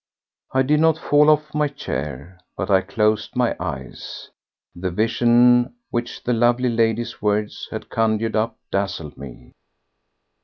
I did not fall off my chair, but I closed my eyes. The vision which the lovely lady's words had conjured up dazzled me.